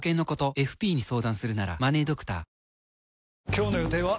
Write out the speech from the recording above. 今日の予定は？